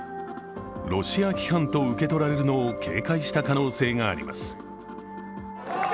ロシア批判と受け取られるのを警戒した可能性があります。